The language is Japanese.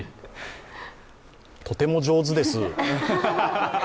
とても上手です。